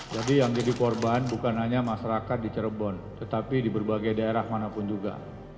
jadi yang jadi korban bukan hanya masyarakat di cirebon tetapi di berbagai daerah manapun juga